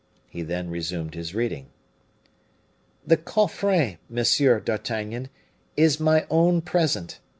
He then resumed his reading: "The coffret, Monsieur d'Artagnan, is my own present.